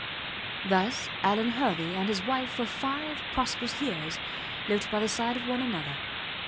Thus Alvan Hervey and his wife for five prosperous years lived by the side of one another.